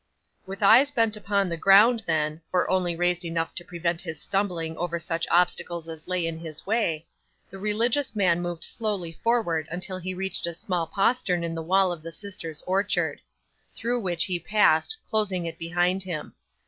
'With eyes bent upon the ground, then, or only raised enough to prevent his stumbling over such obstacles as lay in his way, the religious man moved slowly forward until he reached a small postern in the wall of the sisters' orchard, through which he passed, closing it behind him.